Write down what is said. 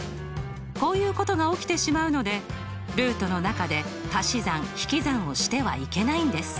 こういうことが起きてしまうのでルートの中でたし算引き算をしてはいけないんです。